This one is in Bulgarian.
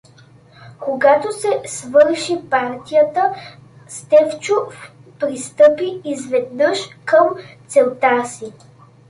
Когато се свърши партията, Стефчов пристъпи изведнъж към целта си.